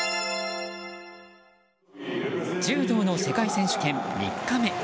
柔道の世界選手権３日目。